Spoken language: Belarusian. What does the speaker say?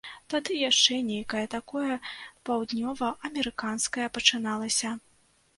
Тады яшчэ нейкае такое паўднёваамерыканскае пачыналася.